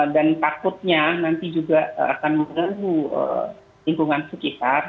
dan takutnya nanti juga akan meneru lingkungan sekitar